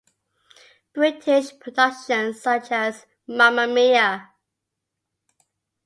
British productions, such as Mamma Mia!